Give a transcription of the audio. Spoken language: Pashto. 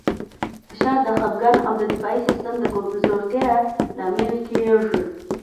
فشار د خپګان او د دفاعي سیستم د کمزورتیا لامل کېږي.